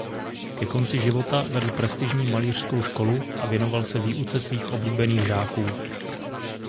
Ke konci života vedl prestižní malířskou školu a věnoval se výuce svých oblíbených žáků.